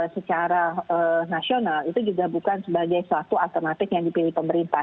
secara nasional itu juga bukan sebagai suatu alternatif yang dipilih pemerintah